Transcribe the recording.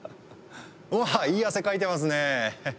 おっいい汗かいてますね！